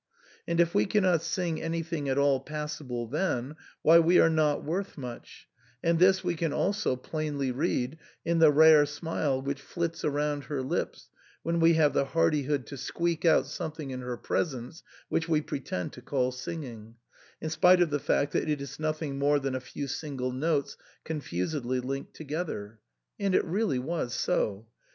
And if we cannot sing anything at all passable then, why, we are not worth much ; and this we can also plainly read in the rare smile which flits around her lips when we have the hardihood to squeak out something in her presence which we pretend to (iall singing, in spite of the fact that it is nothing more than a few single notes confusedly linked together." And it really was so.